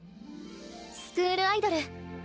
スクールアイドル。